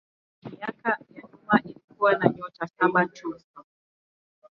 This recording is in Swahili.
Miaka ya nyuma ilikuwa na nyota saba tu.